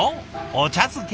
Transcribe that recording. お茶漬け。